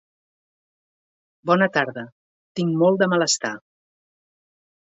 Bona tarda. Tinc molt de malestar.